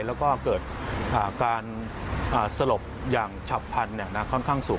แล้วก็เกิดการสลบอย่างฉับพันธุ์ค่อนข้างสูง